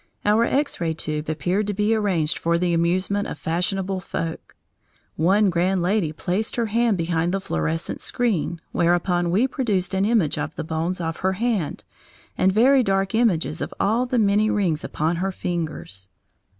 Our X ray tube appeared to be arranged for the amusement of fashionable folk. One grand lady placed her hand behind the fluorescent screen, whereupon we produced an image of the bones of her hand and very dark images of all the many rings upon her fingers.